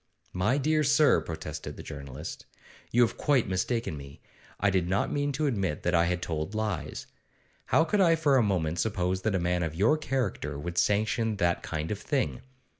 'My dear sir,' protested the journalist, 'you have quite mistaken me. I did not mean to admit that I had told lies. How could I for a moment suppose that a man of your character would sanction that kind of thing?